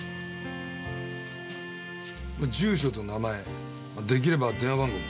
住所と名前出来れば電話番号も。